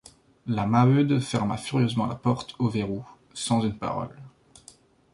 La Maheude ferma furieusement la porte au verrou, sans une parole.